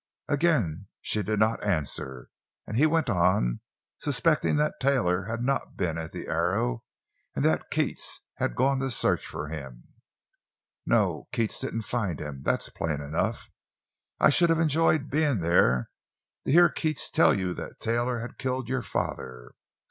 Again she did not answer, and he went on, suspecting that Taylor had not been at the Arrow, and that Keats had gone to search for him. "No, Keats didn't find him—that's plain enough. I should have enjoyed being there to hear Keats tell you that Taylor had killed your father.